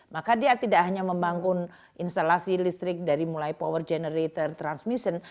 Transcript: maka dia tidak hanya membangun instalasi listrik dari mulai power generator transmission